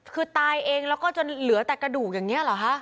คือตายเองแล้วก็จนเหลือแต่กระดูกอย่างนี้เหรอคะ